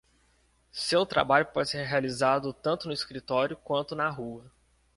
Seu trabalho pode ser realizado tanto no escritório quanto na rua.